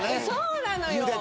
そうなのよ。